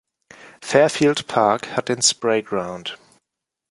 Fairfield Park hat den Sprayground.